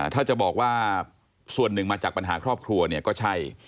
ถ้าจะบอกว่าส่วนหนึ่งมาจากปัญหาครอบครัวเนี่ยก็ใช่